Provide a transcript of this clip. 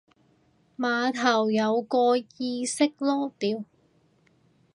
起碼有個意識囉屌